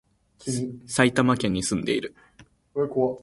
埼玉県に、住んでいる